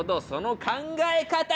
その考え方